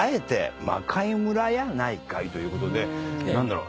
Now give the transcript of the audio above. ということで何だろう？